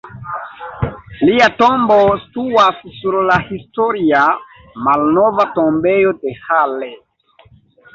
Lia tombo situas sur la historia Malnova tombejo de Halle.